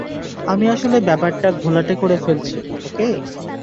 আমি আসলে ব্যাপারটা ঘোলাটে করে ফেলছি, ওকে?